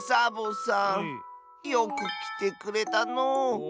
よくきてくれたのう。